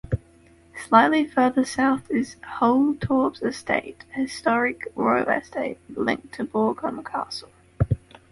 Slightly further south is Halltorps Estate, a historic royal estate linked to Borgholm Castle.